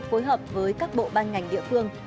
phối hợp với các bộ ban ngành địa phương